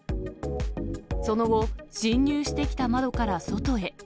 その後、侵入してきた窓から外へ。